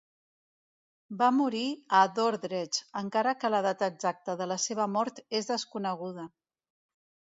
Va morir a Dordrecht, encara que la data exacta de la seva mort és desconeguda.